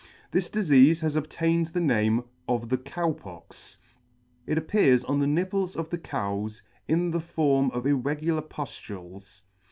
This difeafe has ob tained the name of the Cozu Pox . It appears on B 2 the [ 4 ] the nipples of the Cows in the form of irregular puflules.